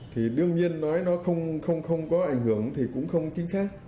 thì đương nhiên nói nó không có ảnh hưởng thì cũng không chính xác